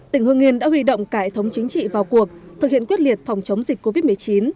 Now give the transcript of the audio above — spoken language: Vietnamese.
tỉnh hương yên đã huy động cả hệ thống chính trị vào cuộc thực hiện quyết liệt phòng chống dịch covid một mươi chín